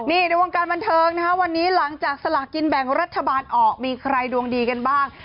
นี่ในวงการบันเทิงนะฮะวันนี้หลังจากสลากินแบ่งรัฐบาลออกมีใครดวงดีกันบ้าง